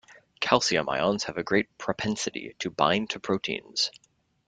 Calcium ions have a great propensity to bind to proteins.